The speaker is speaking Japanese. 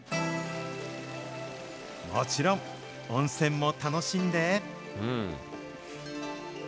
もちろん、温泉も楽しんで。